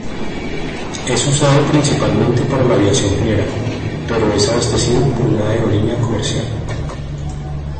Es usado principalmente para la aviación general, pero es abastecido por una aerolínea comercial.